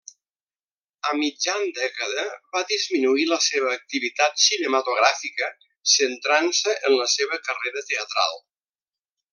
A mitjan dècada va disminuir la seva activitat cinematogràfica, centrant-se en la seva carrera teatral.